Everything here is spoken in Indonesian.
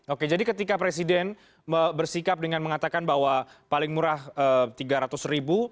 oke jadi ketika presiden bersikap dengan mengatakan bahwa paling murah rp tiga ratus ribu